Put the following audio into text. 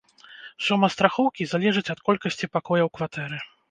Сума страхоўкі залежыць ад колькасці пакояў кватэры.